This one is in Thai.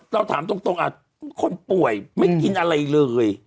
เราถามตรงคนป่วยไม่กินอะไรเลย